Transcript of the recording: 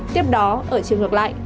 tiếp đó ở chiều ngược lại